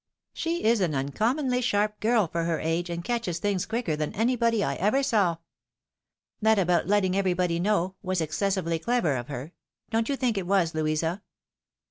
She is an uncommonly sharp girl, for her age, and catches things quicker than anybody I ever saw. That about letting everybody know, was excessively clever of her. Don't you think it was, Louisa